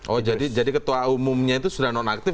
oh jadi ketua umumnya itu sudah nonaktif